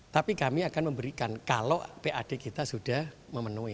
tapi kami akan memberikan kalau pad kita sudah memenuhi